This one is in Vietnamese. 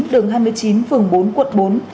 đường hai mươi chín phường bốn quận bốn